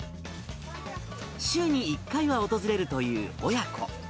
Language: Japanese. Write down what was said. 週に１回は訪れるという親子。